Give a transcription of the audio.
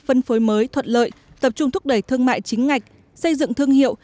phân phối mới thuận lợi tập trung thúc đẩy thương mại chính ngạch xây dựng thương hiệu